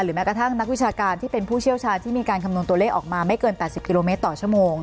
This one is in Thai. แม้กระทั่งนักวิชาการที่เป็นผู้เชี่ยวชาญที่มีการคำนวณตัวเลขออกมาไม่เกิน๘๐กิโลเมตรต่อชั่วโมง